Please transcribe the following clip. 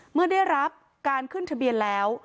เมื่อได้รับการขึ้นทะเบียนแล้ว